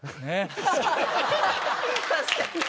確かに！